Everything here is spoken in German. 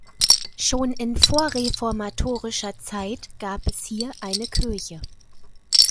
Schon in vorreformatorischer Zeit gab es hier eine Kirche.